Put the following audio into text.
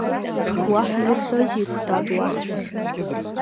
Уаҳа ирҳәозеи, Кәатат, уахь?